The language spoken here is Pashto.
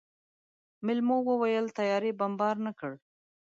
مېلمو وويل طيارې بمبارد نه کړ.